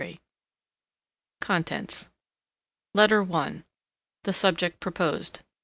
CONTENTS LETTER I The Subject proposed.